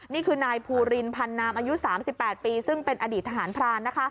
นี่คือนายภูรินพันนามอายุ๓๘ปีซึ่งเป็นอดีตทหารพรานนะคะ